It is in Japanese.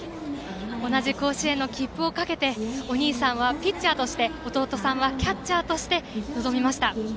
同じ甲子園の切符をかけてお兄さんはピッチャーとして弟さんはキャッチャーとして臨みました。